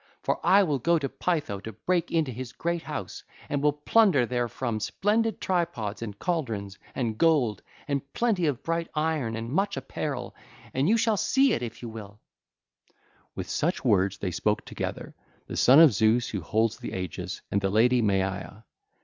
For I will go to Pytho to break into his great house, and will plunder therefrom splendid tripods, and cauldrons, and gold, and plenty of bright iron, and much apparel; and you shall see it if you will.' (ll. 182 189) With such words they spoke together, the son of Zeus who holds the aegis, and the lady Maia.